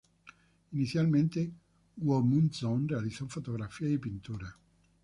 Inicialmente Guðmundsson realizó fotografías y pinturas.